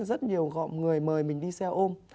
rất nhiều người mời mình đi xe ôm